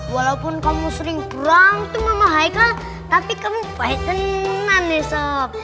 walaupun kamu sering berantem sama haikal tapi kamu baik tenang sob